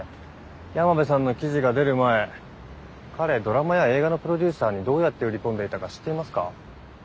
山辺さんの記事が出る前彼ドラマや映画のプロデューサーにどうやって売り込んでいたか知っていますか？